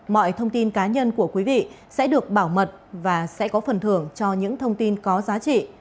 mọi thông tin cá nhân của quý vị sẽ được bảo mật và sẽ có phần thưởng cho những thông tin có giá trị